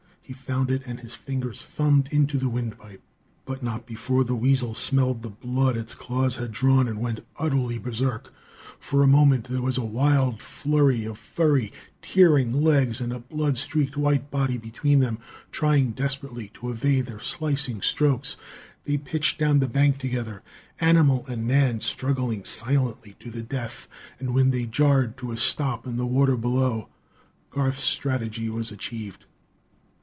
He found it, and his fingers thumbed into the wind pipe; but not before the weasel smelled the blood its claws had drawn and went utterly berserk. For a moment there was a wild flurry of furry, tearing legs and a blood streaked white body between them, trying desperately to evade their slicing strokes. They pitched down the bank together, animal and man struggling silently to the death; and when they jarred to a stop in the water below, Garth's strategy was achieved.